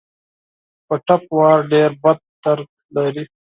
په ټپ وار ډېر بد درد لري.